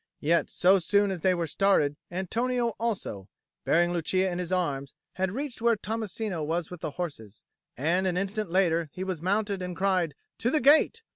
Yet so soon as they were started, Antonio also, bearing Lucia in his arms, had reached where Tommasino was with the horses, and an instant later he was mounted and cried, "To the gate!"